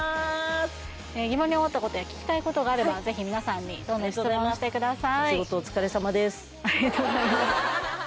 疑問に思ったことや聞きたいことがあればぜひ皆さんにどんどん質問してください